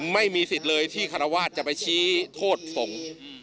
ไม่มีสิทธิ์เลยที่คารวาสจะไปชี้โทษสงฆ์